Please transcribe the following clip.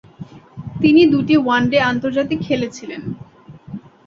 তিনি দুটি ওয়ানডে আন্তর্জাতিক খেলেছিলেন।